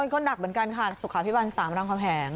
ก็หนักเหมือนกันค่ะสุขาพิบัน๓รามคำแหง